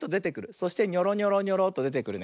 そしてニョロニョロニョロとでてくるね。